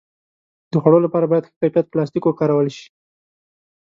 د خوړو لپاره باید ښه کیفیت پلاستيک وکارول شي.